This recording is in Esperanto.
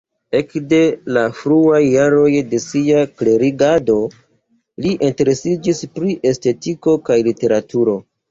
Ekde la fruaj jaroj de sia klerigado li interesiĝis pri estetiko kaj literaturo.